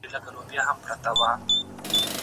زه اجازه لرم چي ليکنه وکړم!!